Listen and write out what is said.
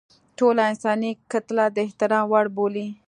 ټوله انساني کتله د احترام وړ بولي.